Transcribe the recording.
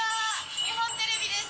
日本テレビです。